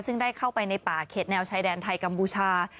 ซึ่งได้เข้าไปในป่าเขตแนวชายแดนไทยกัมพูชา